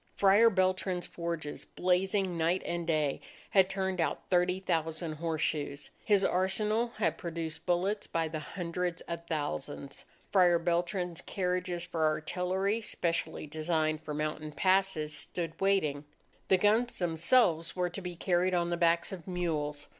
Friar Beltran's forges, blazing night and day, had turned out thirty thousand horseshoes. His arsenal had produced bullets by the hundreds of thousands. Friar Beltran's carriages for artillery, specially designed for mountain passes, stood waiting. The guns themselves were to be carried on the backs of mules.